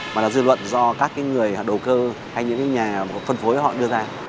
mà là dư luận do các người đầu cơ hay những nhà phân phối họ đưa ra